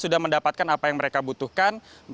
sudah mendapatkan apa yang mereka butuhkan